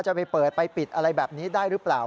จะไปเปิดไปปิดอะไรแบบนี้ได้หรือเปล่า